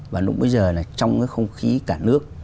và lúc bây giờ là trong cái không khí cả nước